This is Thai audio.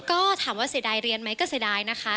ก็ถามว่าเสียดายเรียนไหมก็เสียดายนะคะ